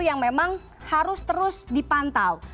yang memang harus terus dipantau